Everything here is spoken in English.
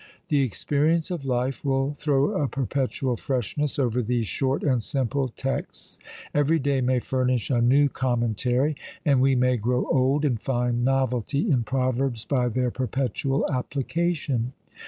The experience of life will throw a perpetual freshness over these short and simple texts; every day may furnish a new commentary; and we may grow old, and find novelty in proverbs by their perpetual application.